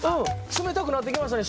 冷たくなってきましたね。